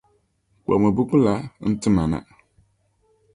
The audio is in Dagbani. Kpuɣimi buku la nti ma na.